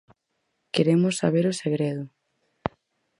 Queremos saber o segredo.